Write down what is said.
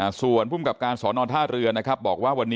แต่มันถือปืนมันไม่รู้นะแต่ตอนหลังมันจะยิงอะไรหรือเปล่าเราก็ไม่รู้นะ